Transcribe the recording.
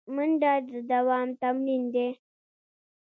منډه د دوام تمرین دی